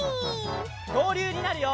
きょうりゅうになるよ！